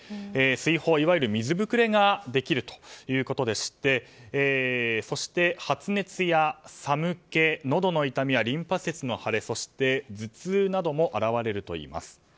水疱、いわゆる水ぶくれができるということでしてそして、発熱や寒気のどの痛みやリンパ節の腫れ、そして頭痛なども現れるといいます。